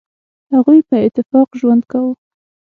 هغوی په اتفاق ژوند کاوه.